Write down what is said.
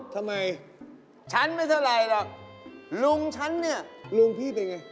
ทำไม